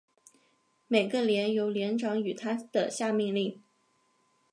每个连由连长与他的下命令。